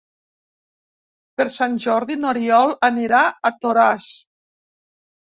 Per Sant Jordi n'Oriol anirà a Toràs.